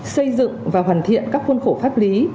xây dựng và hoàn thiện các khuôn khổ pháp lý